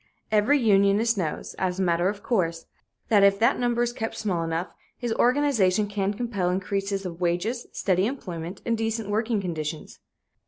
Every unionist knows, as a matter of course, that if that number is kept small enough, his organization can compel increases of wages, steady employment and decent working conditions.